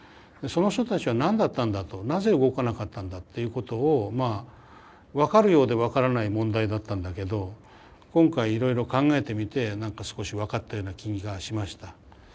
その人たちは何だったんだとなぜ動かなかったんだっていうことを分かるようで分からない問題だったんだけど今回いろいろ考えてみて何か少し分かったような気がしました。